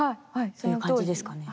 そういう感じですかね？